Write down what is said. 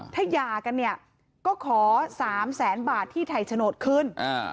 ถ้ายากันก็ขอ๓แสนบาทที่ไถโฉนดขึ้น